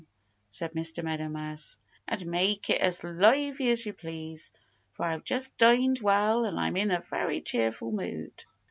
said Mr. Meadow Mouse. "And make it as lively as you please. For I've just dined well and I'm in a very cheerful mood."